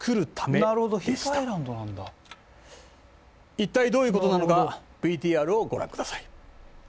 一体どういうことなのかＶＴＲをご覧ください！